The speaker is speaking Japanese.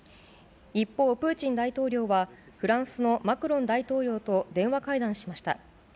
一方、プーチン大統領は、フランスのマクロン大統領と電話会談しました。